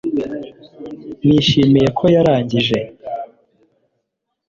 Nishimiye ko yarangije